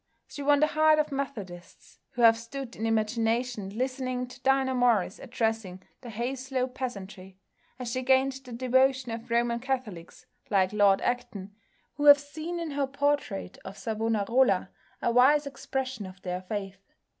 She won the heart of Methodists, who have stood in imagination listening to Dinah Morris addressing the Hayslope peasantry, as she gained the devotion of Roman Catholics like Lord Acton, who have seen in her portrait of Savonarola a wise expression of their faith.